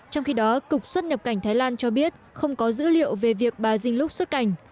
trong khi đó cục xuất nhập cảnh thái lan cho biết không có dữ liệu về việc bà jing lux xuất cảnh